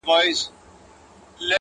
ملیاره ړوند یې که په پښو شل یې -